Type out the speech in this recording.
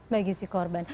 bagi si korban